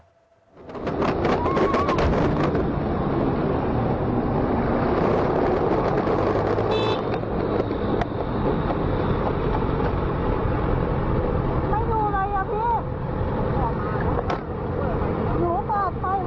พี่จะถูกรถไหมล่ะ